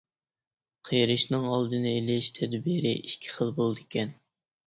قېرىشنىڭ ئالدىنى ئېلىش تەدبىرى ئىككى خىل بولدىكەن.